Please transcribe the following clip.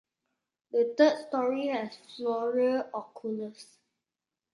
The third story has floral oculus.